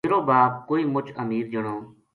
میرو باپ کوئی مُچ امیر جنو